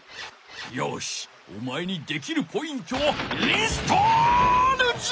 よしおまえにできるポイントをインストールじゃ！